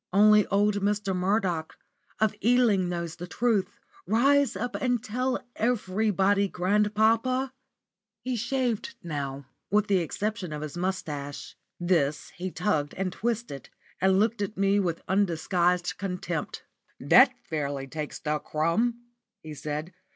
Only old Mr. Murdoch, of Ealing, knows the truth. Rise up and tell everybody, grandpapa!" He shaved now, with the exception of his moustache. This he tugged and twisted, and looked at me with undisguised contempt. "Well, that fairly takes the crumb!" he said.